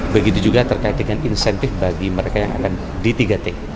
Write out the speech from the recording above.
begitu juga terkait dengan insentif bagi mereka yang akan di tiga t